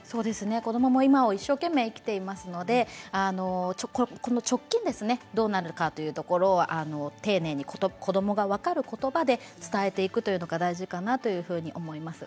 子どもも今を一生懸命生きていますのでこの直近どうなるかというところは丁寧に子どもが分かる言葉で伝えていくというのが大事かなと思います。